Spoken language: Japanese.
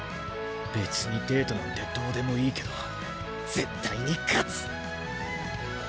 別にデートなんてどうでもいいけど絶対に勝つ！